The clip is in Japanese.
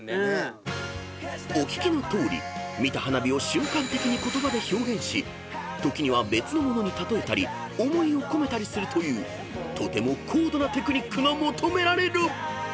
［お聞きのとおり見た花火を瞬間的に言葉で表現し時には別のものに例えたり思いを込めたりするというとても高度なテクニックが求められる］